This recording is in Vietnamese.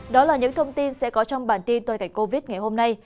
đó là những thông tin sẽ có trong bản tin tôi cảnh covid ngày hôm nay